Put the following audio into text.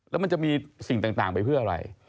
แล้วมันจะมีสิ่งต่างไปเพื่ออะไร